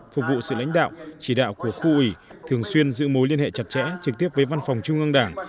phục vụ sự lãnh đạo chỉ đạo của khu ủy thường xuyên giữ mối liên hệ chặt chẽ trực tiếp với văn phòng trung ương đảng